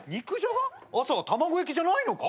朝は卵焼きじゃないのか？